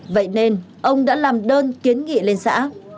vậy nên ông đã làm đơn kiến nghị lên xã